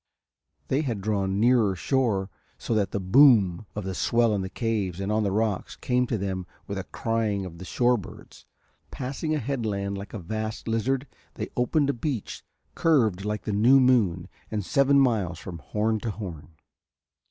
They had drawn nearer shore so that the boom of the swell in the caves and on the rocks came to them with the crying of the shore birds; passing a headland like a vast lizard they opened a beach curved like the new moon and seven miles from horn to horn.